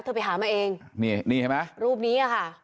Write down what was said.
เธอไปหามาเองนี่เห็นไหมรูปนี้ค่ะ